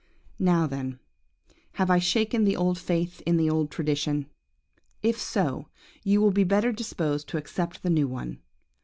"Now then, have I shaken the old faith in the old tradition? If so, you will be better disposed to accept the new one.